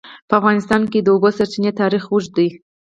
په افغانستان کې د د اوبو سرچینې تاریخ اوږد دی.